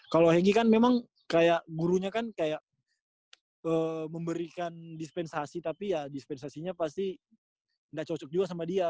kalau henggi kan memang kayak gurunya kan kayak memberikan dispensasi tapi ya dispensasinya pasti nggak cocok juga sama dia